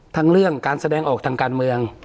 ทั้งเรื่องการแสดงออกทางการเมือง